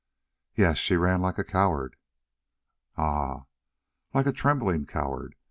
"Yes, she ran like a coward." "Ah?" "Like a trembling coward.